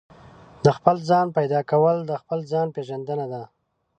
د خپل ځان پيدا کول د خپل ځان پېژندنه ده.